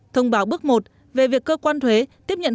thông báo bước một về việc cơ quan thuế tiếp nhận